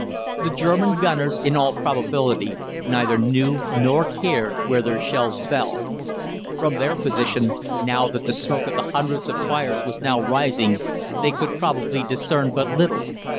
The German gunners in all probability neither knew nor cared where their shells fell. From their position, now that the smoke of the hundreds of fires was now rising, they could probably discern but little.